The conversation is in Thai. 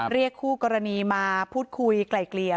เรียกคู่กรณีมาพูดคุยไกล่เกลี่ย